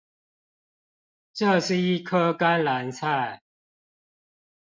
這是一顆甘藍菜